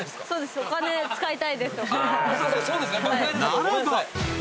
［ならば］